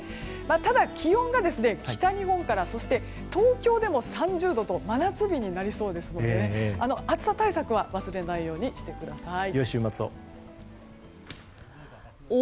ただ、気温が北日本からそして東京でも３０度と真夏日となりそうですので暑さ対策は忘れないようにしてください。